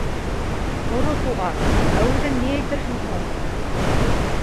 — Һоро Туған, ә үҙең ни әйтерһең һуң?